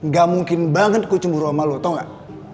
gak mungkin banget kucemburu sama lo tau gak